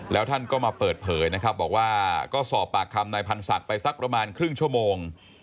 แล้วท่านก็มาเปิดเผยนะครับบอกว่าก็สอบปากคำนายพันธ์ศักดิ์ไปสักประมาณครึ่งชั่วโมง